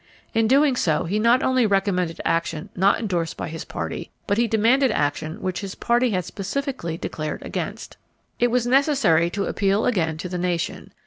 In so doing, he not only recommended action not endorsed by his party, but he demanded action which his party had specifically declared against. It was necessary to appeal again to the nation.